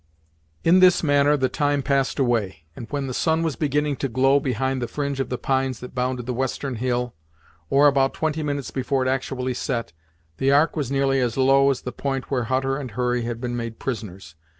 In this manner the time passed away; and when the sun was beginning to glow behind the fringe of the pines that bounded the western hill, or about twenty minutes before it actually set, the ark was nearly as low as the point where Hutter and Hurry had been made prisoners.